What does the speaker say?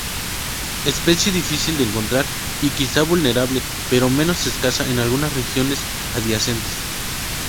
Especie difícil de encontrar y quizá vulnerable pero menos escasa en algunas regiones adyacentes.